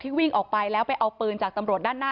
วิ่งออกไปแล้วไปเอาปืนจากตำรวจด้านหน้า